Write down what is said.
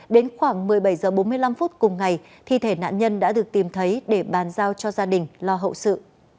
đến khoảng một mươi bảy h bốn mươi năm phút cùng ngày thi thể nạn nhân đã được tìm thấy để bàn giao cho gia đình lo hậu sự